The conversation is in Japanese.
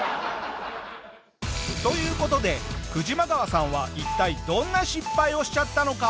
という事でクジマガワさんは一体どんな失敗をしちゃったのか？